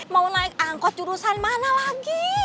mau naik angkot jurusan mana lagi